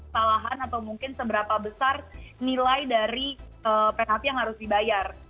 salahan atau mungkin seberapa besar nilai dari penalti yang harus dibayar